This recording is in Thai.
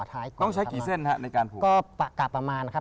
ต้องใช้กี่เส้นในการผูก